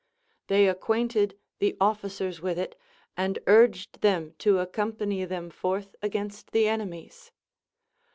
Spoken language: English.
They acquainted the officers with it, and urged them to accompnny them forth against the ene mies.